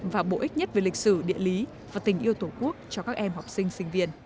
và bổ ích nhất về lịch sử địa lý và tình yêu tổ quốc cho các em học sinh sinh viên